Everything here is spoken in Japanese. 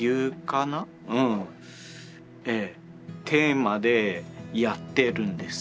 テーマでやってるんです。